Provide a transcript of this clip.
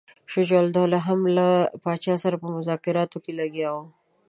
شجاع الدوله هم له پاچا سره په مذاکراتو لګیا وو.